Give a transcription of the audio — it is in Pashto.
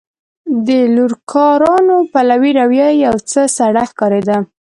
د لوکارنو پلوي رویه یو څه سړه ښکارېده.